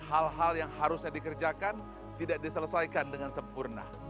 hal hal yang harusnya dikerjakan tidak diselesaikan dengan sempurna